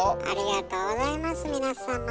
ありがとうございます皆様。